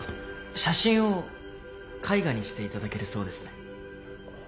写真を絵画にしていただけるそうですね。